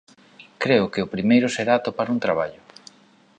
Creo que o primeiro será atopar un traballo.